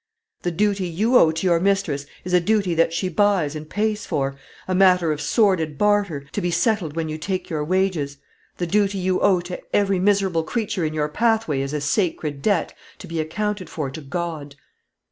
The duty you owe to your mistress is a duty that she buys and pays for a matter of sordid barter, to be settled when you take your wages; the duty you owe to every miserable creature in your pathway is a sacred debt, to be accounted for to God."